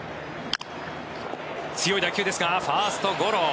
強い打球ですがファーストゴロ。